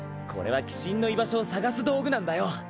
これは鬼神の居場所を探す道具なんだよ！